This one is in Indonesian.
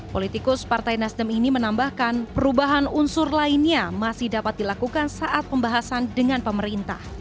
politikus partai nasdem ini menambahkan perubahan unsur lainnya masih dapat dilakukan saat pembahasan dengan pemerintah